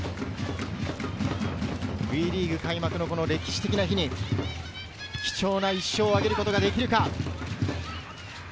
ＷＥリーグ開幕の歴史的な日に、貴重な１勝を挙げることができるか。